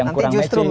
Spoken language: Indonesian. mencari ekstrum rusak